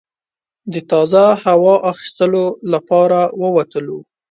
د تازه هوا اخیستلو لپاره ووتلو.